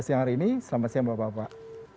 terima kasih pak